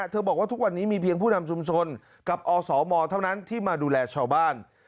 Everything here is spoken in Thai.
บอกว่าทุกวันนี้มีเพียงผู้นำชุมชนกับอสมเท่านั้นที่มาดูแลชาวบ้าน